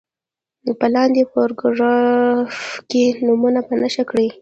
په لاندې پاراګراف کې نومونه په نښه کړي.